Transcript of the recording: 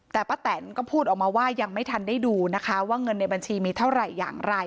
แต่ป้าแตนก็พูดออกมาว่ายังไม่ทันได้ดูนะคะว่าเงินในบัญชีมีเท่าไหร่อย่างไร